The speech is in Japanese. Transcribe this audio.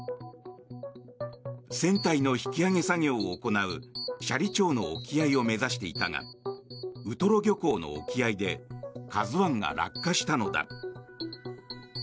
船体の引き揚げ作業を行う斜里町の沖合を目指していたがウトロ漁港の沖合で「ＫＡＺＵ１」が落下したのだ。